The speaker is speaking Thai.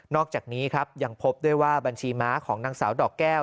อกจากนี้ครับยังพบด้วยว่าบัญชีม้าของนางสาวดอกแก้ว